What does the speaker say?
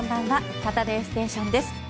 「サタデーステーション」です。